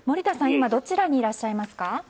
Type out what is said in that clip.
今どちらにいらっしゃいますか。